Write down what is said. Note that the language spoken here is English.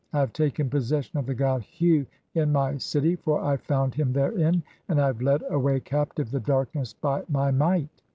I have taken possession of the god Hu in my "city, for I found (5) him therein, and I have led away captive "the darkness by my might.